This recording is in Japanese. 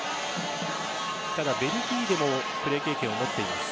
ただベルギーでもプレー経験を持っています。